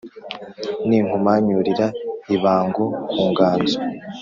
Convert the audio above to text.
ninkumanyurira ibango ku nganzo